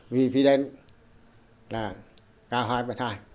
vì fidel là cao hai m hai